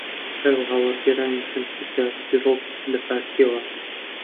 هەروەها وەرگێڕانی چەند کورتە چیرۆک لە فارسییەوە